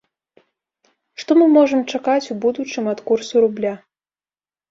Што мы можам чакаць у будучым ад курсу рубля?